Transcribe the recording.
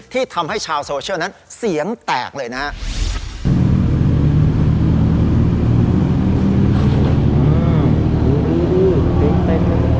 ที่ทำให้ชาวโซเชียลนั้นเสียงแตกเลยนะครับ